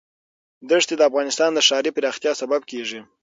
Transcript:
دښتې د افغانستان د ښاري پراختیا سبب کېږي.